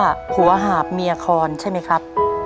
คุณผู้ชมครับเคยได้ยินคำว่า